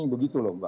begitu loh mbak